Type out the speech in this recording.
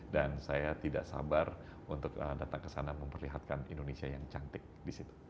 dan saya tidak sabar untuk datang ke sana memperlihatkan indonesia yang cantik di situ